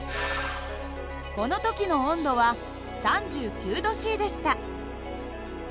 この時の温度は３９℃でした。